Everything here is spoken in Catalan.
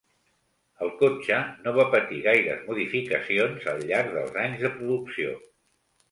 El cotxe no va patir gaires modificacions al llarg dels anys de producció.